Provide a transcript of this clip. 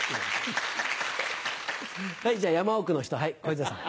はいじゃあ山奥の人小遊三さん。